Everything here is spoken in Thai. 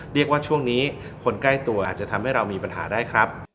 เรียกว่าช่วงนี้คนใกล้ตัวอาจจะทำให้เรามีปัญหาได้ครับ